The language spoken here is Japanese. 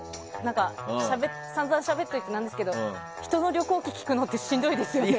散々しゃべっておいてなんですけど人の旅行記聞くのってしんどいですよね。